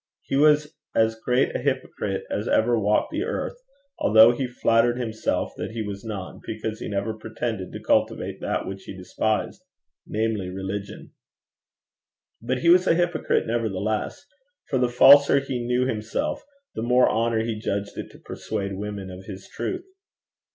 He was as great a hypocrite as ever walked the earth, although he flattered himself that he was none, because he never pretended to cultivate that which he despised namely, religion. But he was a hypocrite nevertheless; for the falser he knew himself, the more honour he judged it to persuade women of his truth.